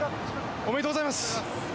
ありがとうございます。